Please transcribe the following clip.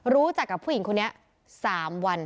รู้จักกับผู้หญิงคนนี้๓วัน